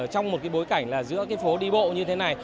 trong một bối cảnh giữa phố đi bộ như thế này